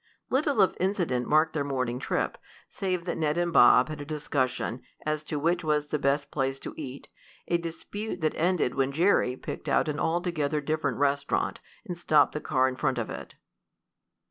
Little of incident marked their morning trip, save that Ned and Bob had a discussion as to which was the best place to eat, a dispute that ended when Jerry picked out an altogether different restaurant, and stopped the car in front of it.